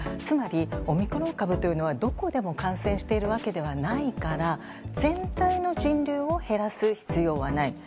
つまり、オミクロン株というのはどこでも感染しているわけではないから全体の人流を減らす必要はない。